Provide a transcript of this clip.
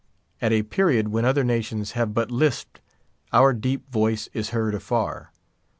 At a period when other nations have but lisped, our deep voice is heard afar.